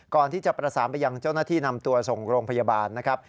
ก่อนที่จะประสานไปยังเจ้าหน้าที่นำตัวส่งโรงพยาบาลนะครับ